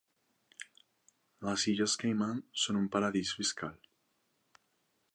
Les Illes Caiman són un paradís fiscal.